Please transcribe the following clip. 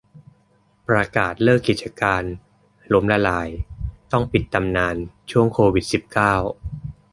ประกาศเลิกกิจการ ล้มละลาย ต้องปิดตำนานช่วง โควิด สิบเก้า